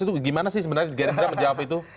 itu gimana sih sebenarnya gerindra menjawab itu